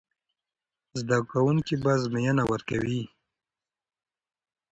زده کوونکي به ازموینه ورکوي.